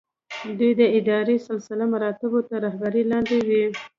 دوی د اداري سلسله مراتبو تر رهبرۍ لاندې وي.